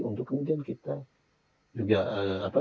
untuk kemudian kita juga apa